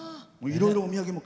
いろいろお土産も。